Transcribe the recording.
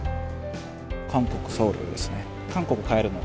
韓国・ソウルですね。